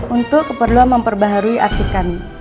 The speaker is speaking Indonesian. untuk keperluan memperbaharui aksi kami